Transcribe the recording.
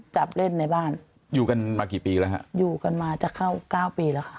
จับเล่นในบ้านอยู่กันมากี่ปีแล้วฮะอยู่กันมาจะเก้าเก้าปีแล้วค่ะ